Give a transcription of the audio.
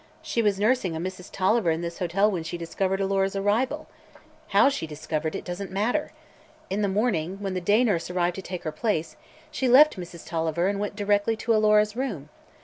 She was nursing a Mrs. Tolliver in this hotel when she discovered Alora's arrival. How she discovered it doesn't matter. In the morning, when the day nurse arrived to take her place, she left Mrs. Tolliver and went directly to Alora's room.